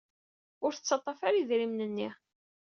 Ur tettaḍḍaf ara idrimen-nni.